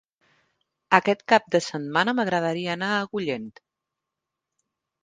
Aquest cap de setmana m'agradaria anar a Agullent.